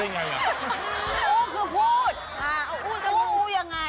อู้จะพูดอย่างไร